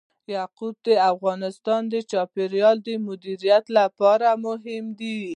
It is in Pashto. یاقوت د افغانستان د چاپیریال د مدیریت لپاره مهم دي.